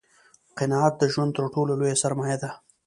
قناعت دژوند تر ټولو لویه سرمایه ده